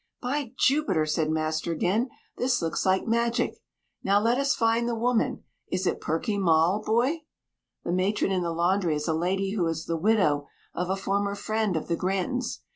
"By Jupiter," said master again, "this looks like magic. Now, let us find the woman. Is it Perky Moll, Boy?" The matron in the laundry is a lady who is the widow of a former friend of the Grantons.